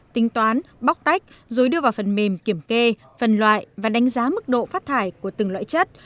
tính toán bóc tách rồi đưa vào phần mềm kiểm kê phần loại và đánh giá mức độ phát thải của từng loại chất